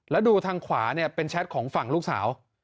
แล้วดูทางขวาเนี่ยเป็นแชทของฝั่งลูกสาว